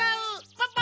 パパ！